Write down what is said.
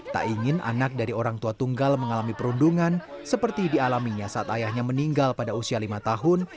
tak ingin anak dari orang tua tunggal mengalami perundungan seperti dialaminya saat ayahnya meninggal pada usia lima tahun